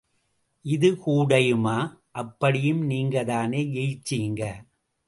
இது கூடயுமா... அப்படியும் நீங்கதானே ஜெயிச்சிங்க?